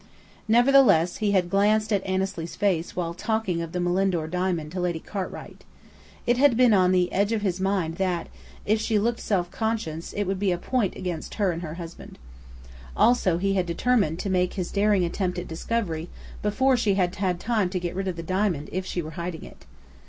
Nevertheless, he had glanced at Annesley's face while talking of the Malindore diamond to Lady Cartwright. It had been on the edge of his mind that, if she looked self conscious, it would be a point against her and her husband. Also he had determined to make his daring attempt at discovery before she had time to get rid of the diamond if she were hiding it.